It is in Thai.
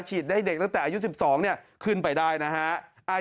ให้เด็กตั้งแต่อายุ๑๒ขึ้นไปได้นะฮะ